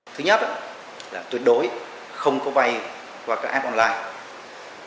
thứ nhất là tuyệt đối không có vay qua các app online